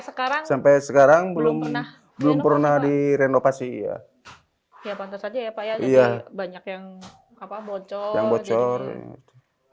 sekarang sampai sekarang belum pernah belum pernah direnovasi ya ya banyak yang bocor bocor